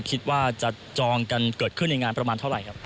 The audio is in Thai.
คิดว่าจะจองกันเกิดขึ้นในงานประมาณเท่าไหร่ครับ